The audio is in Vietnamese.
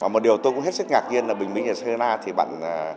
một điều tôi cũng hết sức ngạc nhiên là bình minh ở sri lanka thì bạn